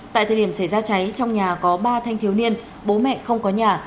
tại thời điểm xảy ra cháy trong nhà có ba thanh thiếu niên bố mẹ không có nhà